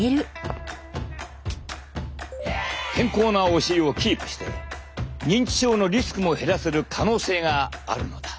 健康なお尻をキープして認知症のリスクも減らせる可能性があるのだ。